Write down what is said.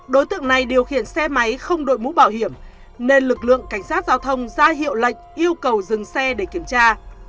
đối tượng này điều khiển xe máy không đội mũ bảo hiểm nên lực lượng cảnh sát giao thông ra hiệu lệnh yêu cầu dừng xe để kiểm tra